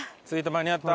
間に合った。